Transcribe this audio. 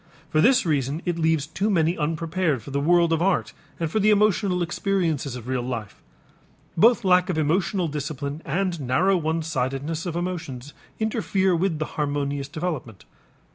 For this reason it leaves too many unprepared for the world of art and for the emotional experiences of real life. Both lack of emotional discipline and narrow one sidedness of emotions interfere with the harmonious development.